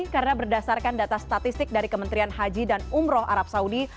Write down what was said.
karena berdasarkan data statistik dari kementerian haji dan umroh arab saudi